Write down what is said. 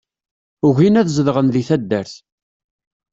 Ugin ad zedɣen di taddart.